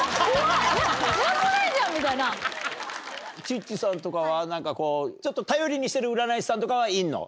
チッチさんとかはちょっと頼りにしてる占い師さんとかはいるの？